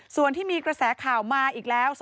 ส่วนที่มีกระแสข่าวมาอีกแล้ว